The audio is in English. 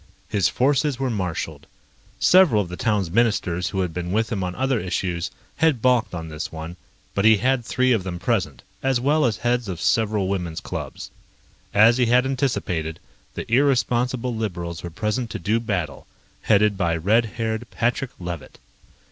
His forces were marshaled. Several of the town's ministers who had been with him on other issues had balked on this one, but he had three of them present, as well as heads of several women's clubs. As he had anticipated, the irresponsible liberals were present to do battle, headed by red haired Patrick Levitt.